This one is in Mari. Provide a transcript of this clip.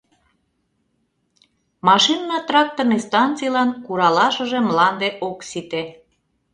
Машинно-тракторный станцийлан куралашыже мланде ок сите.